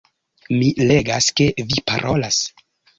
Mi legas, ke vi parolas